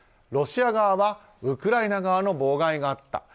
ロシア側はウクライナ側の妨害があった。